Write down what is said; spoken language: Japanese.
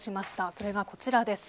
それがこちらです。